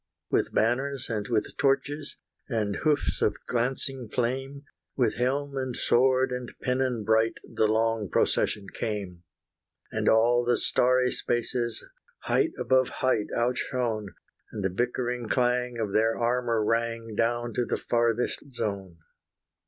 With banners and with torches, And hoofs of glancing flame, With helm and sword and pennon bright The long procession came. And all the starry spaces, Height above height outshone, And the bickering clang of their armour rang Down to the farthest zone.